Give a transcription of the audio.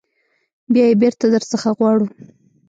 بیا یې بیرته در څخه غواړو.